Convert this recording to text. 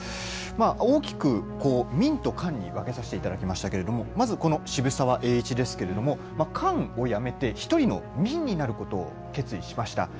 大きく民と官に分けさせていただきましたけれどもまずは渋沢栄一ですが官をやめて１人の民になることを決意しました。